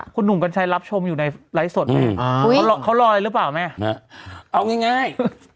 คุณหนุ่มกัญชัยรับชมอยู่ในไลฟ์สดแม่เขารออะไรหรือเปล่าแม่เอาง่าย